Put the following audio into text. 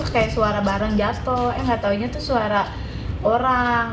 kayak suara barang jatuh yang gak taunya itu suara orang